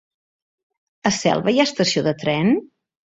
A Selva hi ha estació de tren?